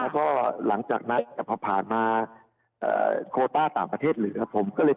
ก็หลังจากนั้นแต่พอผ่านมาโคต้าต่างประเทศเหลือผมก็เลย